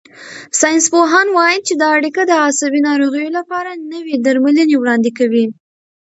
ساینسپوهان وايي چې دا اړیکه د عصبي ناروغیو لپاره نوي درملنې وړاندې کوي.